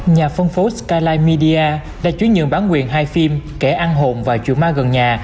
nhà phân phối skyline media đã chuyển nhượng bản quyền hai phim kẻ ăn hồn và chuyện ma gần nhà